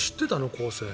構成。